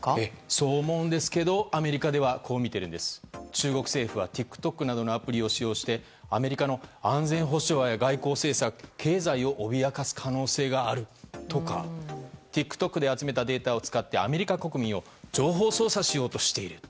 そう思うんですけどアメリカではこう見ているんです中国政府はＴｉｋＴｏｋなどのアプリを使用してアメリカの安全保障や外交政策経済を脅かす可能性があるとかＴｉｋＴｏｋで集めたデータを使って、アメリカ国民を情報操作しようとしている。